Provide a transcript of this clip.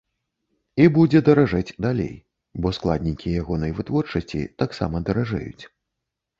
І будзе даражэць далей, бо складнікі ягонай вытворчасці таксама даражэюць.